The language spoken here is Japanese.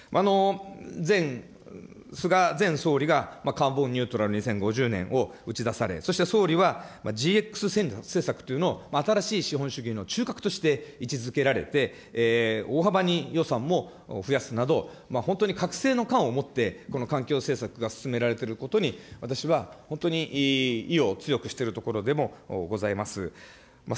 前、菅前総理がカーボンニュートラル２０５０年を打ち出され、そして総理はＧＸ政策というのを新しい政策の中核として位置づけられて、大幅に予算も増やすなど、本当にかくせいのかんを持ってこの環境政策が進められていることに、私は本当に意を強くしているところでもございます。